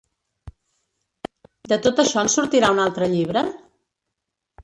De tot això en sortirà un altre llibre?